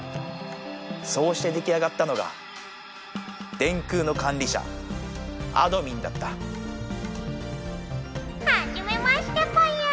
そうして出来上がったのが電空の管理者あどミンだったはじめましてぽよ。